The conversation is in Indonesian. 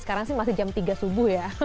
sekarang sih masih jam tiga subuh ya